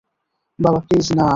বাবা, প্লিজ না!